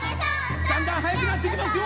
だんだんはやくなっていきますよ！